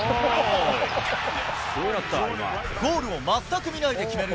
ゴールを全く見ないで決める